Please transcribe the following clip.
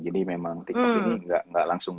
jadi memang tiktok ini gak langsung